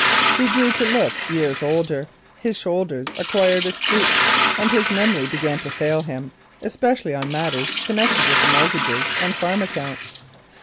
He grew to look years older, his shoulders acquired a stoop, and his memory began to fail him, especially on matters connected with the mortgages and farm accounts.